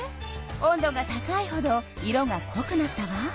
温度が高いほど色がこくなったわ。